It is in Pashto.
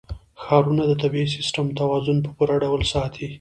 ښارونه د طبعي سیسټم توازن په پوره ډول ساتي.